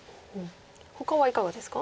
ほかはいかがですか？